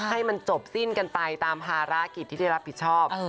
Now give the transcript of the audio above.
ให้มันจบสิ้นกันไปตามภารกิจที่ได้รับผิดชอบ